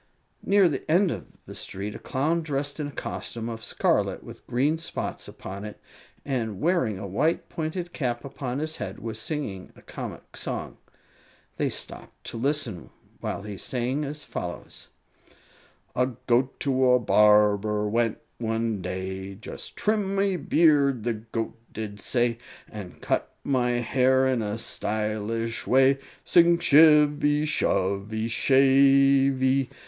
Near the end of the street a Clown, dressed in a costume of scarlet with green spots upon it, and wearing a white, pointed cap upon his head, was singing a comic song. They stopped to listen while he sang as follows: A goat to a barber went one day; "Just trim my beard," the goat did say, "And cut my hair in a stylish way" Sing shivvy, shovvy, shavey!